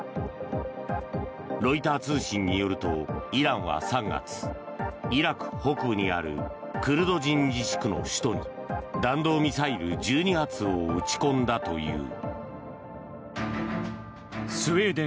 ロイター通信によるとイランは３月イラク北部にあるクルド人自治区の首都に弾道ミサイル１２発を撃ち込んだという。